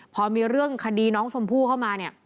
พอมีเรื่องคดีน้องชมพู่เข้ามาเนี่ย